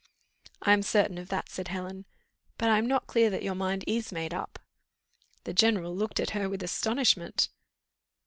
"I am certain of that," said Helen, "but I am not clear that your mind is made up." The general looked at her with astonishment.